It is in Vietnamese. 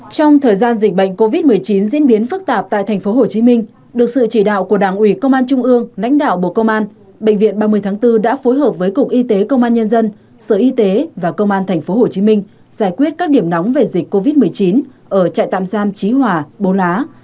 trong thời gian dịch bệnh covid một mươi chín diễn biến phức tạp tại tp hcm được sự chỉ đạo của đảng ủy công an trung ương lãnh đạo bộ công an bệnh viện ba mươi tháng bốn đã phối hợp với cục y tế công an nhân dân sở y tế và công an tp hcm giải quyết các điểm nóng về dịch covid một mươi chín ở trại tạm giam trí hòa bô á